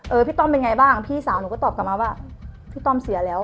พี่ต้อมเป็นไงบ้างพี่สาวหนูก็ตอบกลับมาว่าพี่ต้อมเสียแล้ว